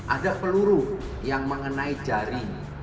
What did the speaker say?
ada peluru yang mengenai jari